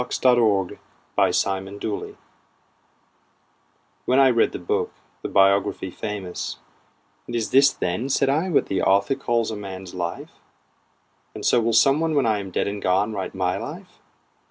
When I Read the Book When I read the book, the biography famous, And is this then (said I) what the author calls a man's life? And so will some one when I am dead and gone write my life?